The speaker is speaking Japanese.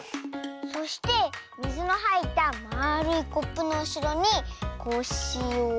そしてみずのはいったまあるいコップのうしろにコッシーをおくと。